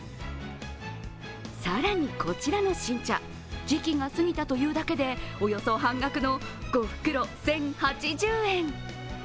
更にこちらの新茶時期が過ぎたというだけでおよそ半額の５袋１０８０円。